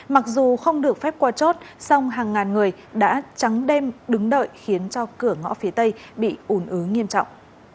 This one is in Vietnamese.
mặc dù không được phép qua chốt song hàng ngàn người đã trắng đêm đứng đợi khiến cho cửa ngõ phía tây bị ủn ứ nghiêm trọng